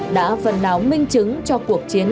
đã phần náo minh chứng cho cuộc chiến